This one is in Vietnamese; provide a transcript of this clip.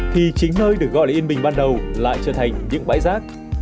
thì chính nơi được gọi là yên bình ban đầu lại trở thành những bãi rác